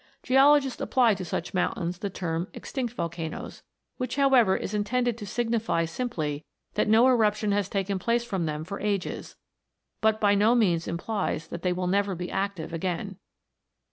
Geologists apply to such moun tains the term " extinct volcanoes" which, however, is intended to signify simply that no eruption has taken place from them for ages ; but by no means implies that they will never be active again.